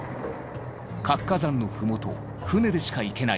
活火山の麓船でしか行けない